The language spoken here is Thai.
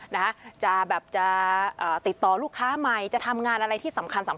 เพราะเงินเข้าเยอะงานเข้าเยอะ